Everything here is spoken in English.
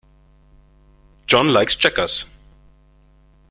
John likes checkers.